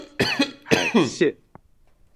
海線